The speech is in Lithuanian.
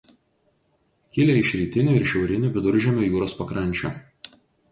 Kilę iš rytinių ir šiaurinių Viduržemio jūros pakrančių.